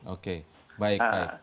oke baik baik